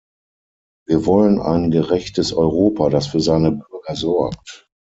Wir wollen ein gerechtes Europa, das für seine Bürger sorgt.